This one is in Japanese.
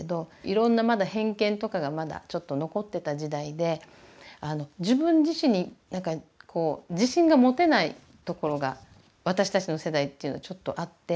いろんなまだ偏見とかがまだちょっと残ってた時代で自分自身になんかこう自信が持てないところが私たちの世代っていうのはちょっとあって。